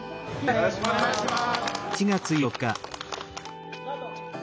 よろしくお願いします。